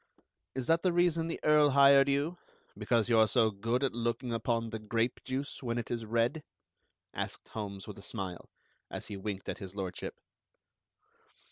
"Is that the reason the Earl hired you, because you are so good at looking upon the grape juice when it is red?" asked Holmes with a smile, as he winked at His Lordship.